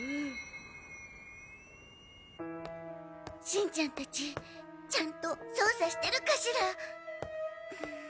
しんちゃんたちちゃんと捜査してるかしら。